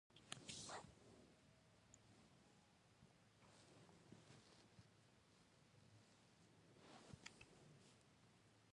شېخ کټه شېخ متي لمسی دﺉ.